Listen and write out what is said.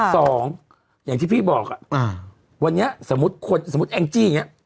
สองอย่างที่พี่บอกวันนี้สมมุติแองจี้เนี่ย